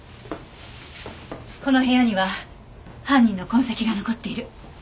この部屋には犯人の痕跡が残っている。